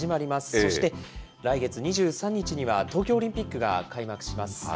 そして来月２３日には東京オリンピックが開幕します。